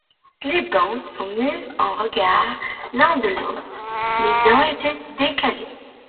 Les bandes sont mises en regard l'une de l'autre, les dents étant décalées.